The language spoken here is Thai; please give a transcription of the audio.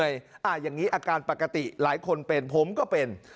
อย่างนี้อาการปกติหลายคนเป็นผมก็เป็น